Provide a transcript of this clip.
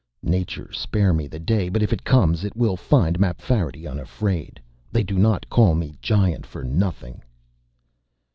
"Nature spare me the day! But if it comes it will find Mapfarity unafraid. They do not call me Giant for nothing."